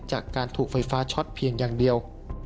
จากการถูกไฟฟ้าช็อตเพียงอย่างเดียว